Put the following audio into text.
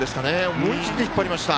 思い切って、引っ張りました。